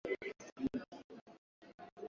na Mashariki ya Mbali kama vile Yakutia na Chukotka